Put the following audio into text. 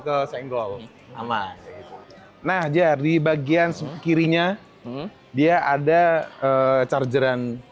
ke senggol ama nah jadi bagian sekirinya dia ada charger and